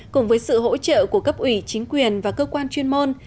cùng với sự hỗ trợ của cấp ủy chính quyền và cơ quan chuyên môn